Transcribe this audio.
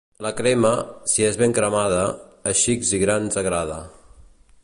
La crema, si és ben cremada, a xics i grans agrada.